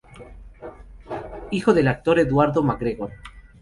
Hijo del actor Eduardo MacGregor.